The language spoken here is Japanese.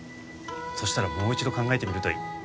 そしたらもう一度考えてみるといい。